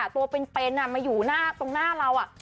ตัวเป็นมาอยู่ตรงหน้าเรา